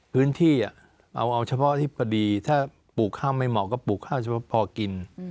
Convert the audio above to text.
พื้นที่เอาเฉพาะอธิบดีถ้าปลูกข้าวไม่เหมาะก็ปลูกข้าวเฉพาะพอกิน